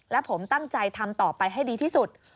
และผมตั้งใจทำต่อไปให้ดีที่สุด